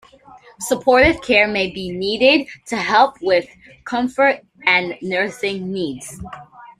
Supportive care may be needed to help with comfort and nursing needs.